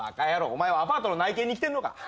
お前はアパートの内見に来てんのか？